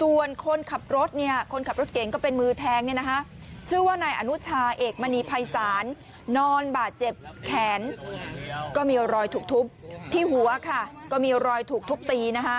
ส่วนคนขับรถเนี่ยคนขับรถเก่งก็เป็นมือแทงเนี่ยนะคะชื่อว่านายอนุชาเอกมณีภัยศาลนอนบาดเจ็บแขนก็มีรอยถูกทุบที่หัวค่ะก็มีรอยถูกทุบตีนะคะ